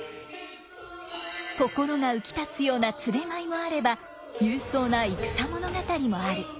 心が浮き立つような連れ舞いもあれば勇壮な戦物語もある。